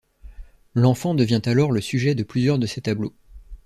L'enfant devient alors le sujet de plusieurs de ses tableaux.